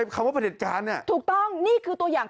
คำว่าผลิตการเนี่ยถูกต้อง